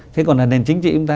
thế còn là nền chính trị chúng ta